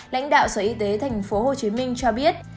lãnh đạo sở y tế tp hcm cho biết